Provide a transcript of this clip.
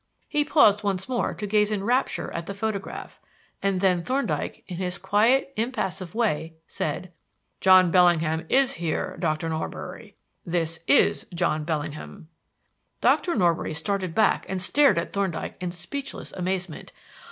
He paused once more to gaze in rapture at the photograph. And then Thorndyke, in his quiet, impassive way, said: "John Bellingham is here, Doctor Norbury. This is John Bellingham." Dr. Norbury started back and stared at Thorndyke in speechless amazement.